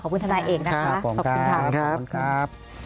ขอบคุณทนายเอกนะคะขอบคุณครับ